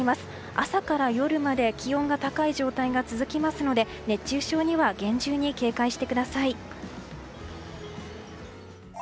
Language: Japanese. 朝から夜まで気温が高い状態が続きますので熱中症には厳重に警戒してください。